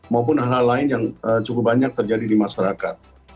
maupun hal hal lain yang cukup banyak terjadi di masyarakat